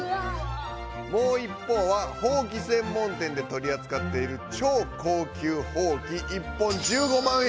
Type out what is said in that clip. もう一方はほうき専門店でとりあつかっているちょう高級ほうき１本１５万円。